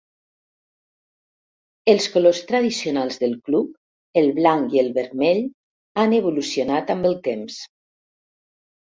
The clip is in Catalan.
Els colors tradicionals del club, el blanc i el vermell, han evolucionat amb el temps.